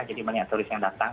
jadi banyak turis yang datang